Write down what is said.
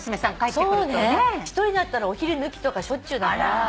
そうね１人だったらお昼抜きとかしょっちゅうだから。